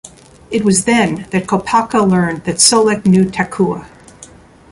It was then that Kopaka learned that Solek knew Takua.